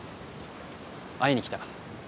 会いに来た。